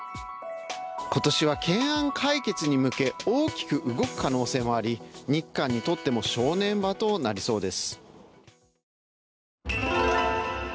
今年は懸案解決に向け大きく動く可能性もあり、日韓にとっても正念場となりそうです。